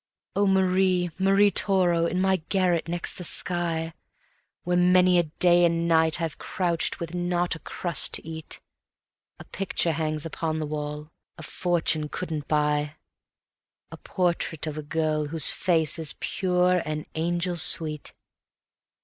"Oh Marie, Marie Toro, in my garret next the sky, Where many a day and night I've crouched with not a crust to eat, A picture hangs upon the wall a fortune couldn't buy, A portrait of a girl whose face is pure and angel sweet."